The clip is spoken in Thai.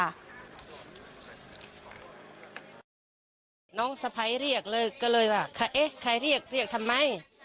น้องสะพ้ายเรียกเลยก็เลยว่าใครเอ๊ะใครเรียกเรียกทำไม